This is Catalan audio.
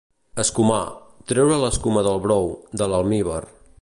escumar: treure l'escuma del brou, de l'almívar